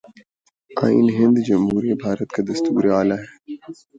آئین ہند جمہوریہ بھارت کا دستور اعلیٰ ہے